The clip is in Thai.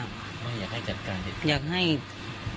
ไม่อยากให้จัดการได้